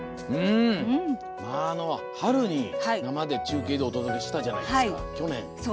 春に生で中継でお届けしたじゃないですか、去年。